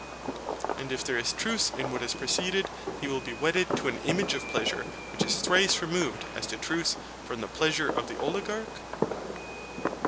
And if there is truth in what has preceded, he will be wedded to an image of pleasure which is thrice removed as to truth from the pleasure of the oligarch?